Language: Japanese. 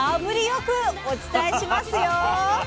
よくお伝えしますよ！